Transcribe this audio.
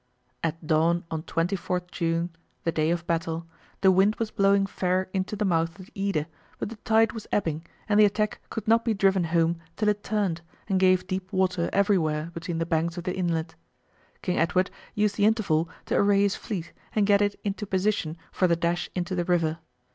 At dawn on 24 June the day of battle the wind was blowing fair into the mouth of the Eede, but the tide was ebbing, and the attack could not be driven home till it turned, and gave deep water everywhere between the banks of the inlet. King Edward used the interval to array his fleet and get it into position for the dash into the river.